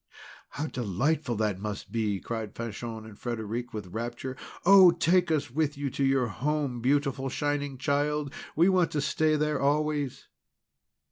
"How delightful that must be!" cried Fanchon and Frederic, with rapture. "Oh! take us with you to your home, beautiful Shining Child! We want to stay there always!"